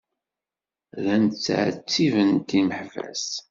Llant ttɛettibent imeḥbas.